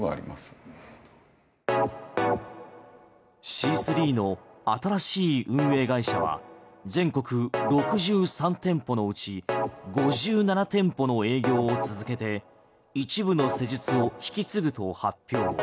シースリーの新しい運営会社は全国６３店舗のうち５７店舗の営業を続けて一部の施術を引き継ぐと発表。